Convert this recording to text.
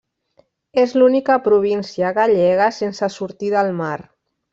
És l'única província gallega sense sortida al mar.